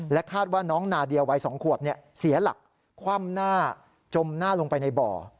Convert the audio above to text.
คาดว่าน้องนาเดียวัย๒ขวบเสียหลักคว่ำหน้าจมหน้าลงไปในบ่อ